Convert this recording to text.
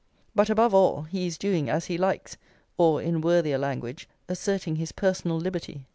But, above all, he is doing as he likes, or, in worthier language, asserting his personal liberty.